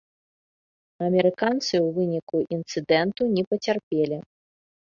Амерыканцы ў выніку інцыдэнту не пацярпелі.